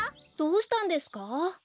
どうしたんですか？